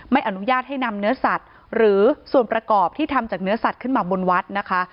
ไม่อนุญาตให้นำเนื้อสัตว์หรือส่วนประกอบที่ทำจากเนื้อสัตว์ขึ้นมาบนวัดนะคะ